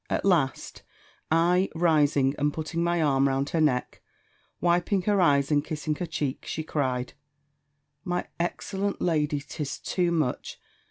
At last, I rising, and putting my arm round her neck, wiping her eyes, and kissing her cheek, she cried, "My excellent lady! 'tis too much!